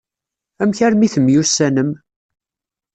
Amek armi temyussanem?